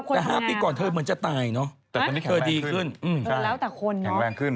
แต่๕ปีก่อนเธอเหมือนจะตายเนอะแต่ตอนนี้เธอดีขึ้นแล้วแต่คนแข็งแรงขึ้น